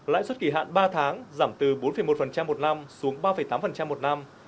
lãi suất kỳ hạn ba tháng giảm từ bốn một một năm xuống ba tám một năm